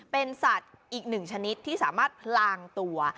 เป็นสัตว์อีกหนึ่งชนิดที่สามารถพลางตัว